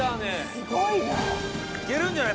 すごいね。